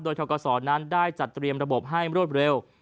โดยทกศนั้นได้จัดเตรียมระบบให้รวดเร็ว